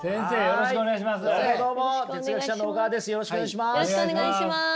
よろしくお願いします。